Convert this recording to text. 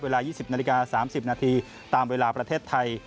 เวลา๒๐นาฬิกา๓๐นาทีตามเวลาประเทศไทย